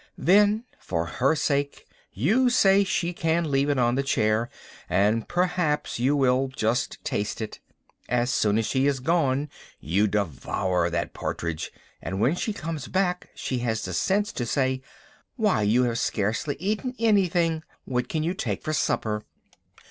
Then for her sake you say she can leave it on the chair, and perhaps you will just taste it. As soon as she has gone you devour that partridge, and when she comes back she has the sense to say "Why, you have scarcely eaten anything. What could you take for supper?"